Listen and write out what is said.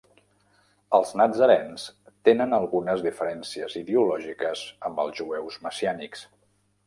Els natzarens tenen algunes diferències ideològiques amb els jueus messiànics.